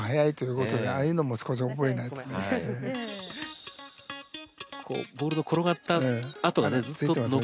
こうボールの転がった跡がね